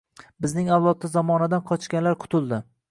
Bizning avlodda zamonadan qochganlar qutuldi.